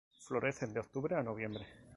Florecen de octubre a noviembre.